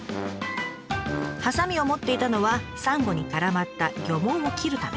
ハサミを持っていたのはサンゴに絡まった漁網を切るため。